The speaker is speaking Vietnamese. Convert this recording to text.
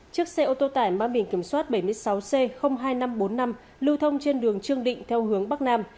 chiếc xe ô tô tải mang biển kiểm soát bảy mươi sáu c hai nghìn năm trăm bốn mươi năm lưu thông trên đường trương định theo hướng bắc nam